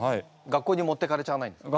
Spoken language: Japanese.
学校に持ってかれちゃわないんですか？